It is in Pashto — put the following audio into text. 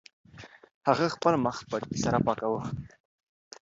هغه خپل مخ پټکي سره پاکاوه.